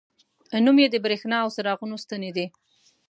نوم یې د بریښنا او څراغونو ستنې دي.